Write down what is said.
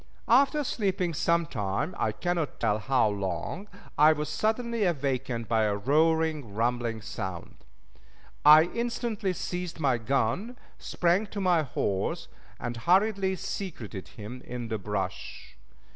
After sleeping some time I cannot tell how long I was suddenly awakened by a roaring, rumbling sound. I instantly seized my gun, sprang to my horse, and hurriedly secreted him in the brush.